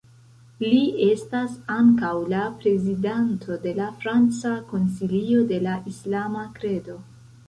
Li estas ankaŭ la prezidanto de la Franca Konsilio de la Islama Kredo.